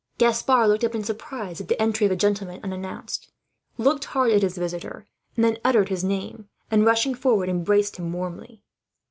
] Gaspard looked up in surprise, at the entry of a gentleman unannounced; looked hard at his visitor, and then uttered his name and, rushing forward, embraced him warmly.